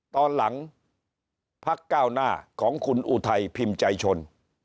ตอนหลังพักก้าวหน้าของคุณอุทัยพิมพ์ใจชน